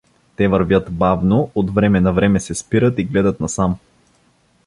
Те вървят бавно, от време на време се спират и гледат насам.